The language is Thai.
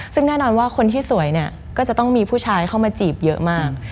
ซึ่งแน่นอนว่าคนที่สวยเนี่ยก็จะต้องมีผู้ชายเข้ามาจีบเยอะมาก